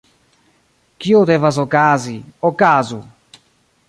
Kio devas okazi, okazu!